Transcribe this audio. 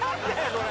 それ！